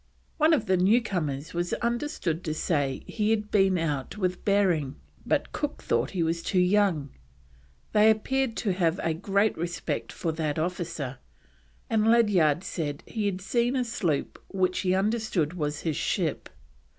One of the newcomers was understood to say he had been out with Behring, but Cook thought he was too young. They appeared to have great respect for that officer, and Ledyard said he had seen a sloop which he understood was his ship.